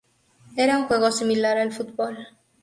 Era un juego similar al fútbol.